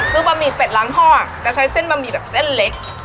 คือบะหมี่เป็ดล้างท่อจะใช้เส้นบะหมี่แบบเส้นเล็ก